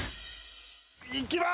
いきます。